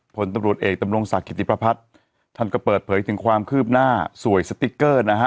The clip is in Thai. ผลตำรวจเอกดำรงศักดิติประพัฒน์ท่านก็เปิดเผยถึงความคืบหน้าสวยสติ๊กเกอร์นะฮะ